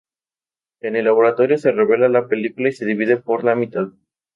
En el laboratorio se revela la película y se divide por la mitad.